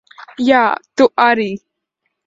Jā, tu arī.